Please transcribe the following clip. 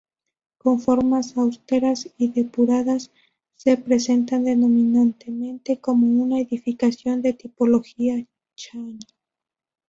Con formas austeras y depuradas, se presenta predominantemente como una edificación de tipología chão.